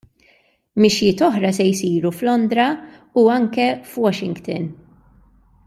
Mixjiet oħra se jsiru f'Londra u anke f'Washington.